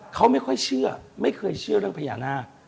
เขาไม่ค่อยเชื่อไม่เคยเชื่อเรื่องพญานาค